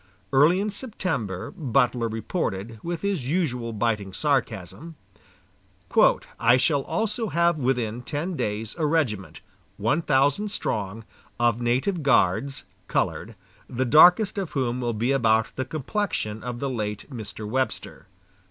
Early in September, Butler reported, with his usual biting sarcasm: "I shall also have within ten days a regiment, one thousand strong, of native guards (colored), the darkest of whom will be about the complexion of the late Mr. Webster."